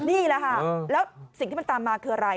นี่แหละค่ะแล้วสิ่งที่มันตามมาคืออะไร